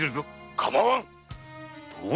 構わん。